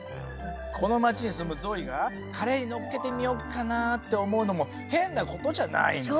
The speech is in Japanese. この町に住むゾイがカレーに乗っけてみよっかなって思うのも変なことじゃないんだ。